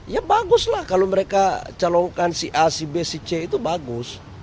ya baguslah kalau mereka calonkan si a si b si c itu bagus